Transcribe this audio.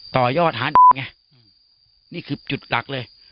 ต่อยอดฮะไงนี่คือจุดหลักเลย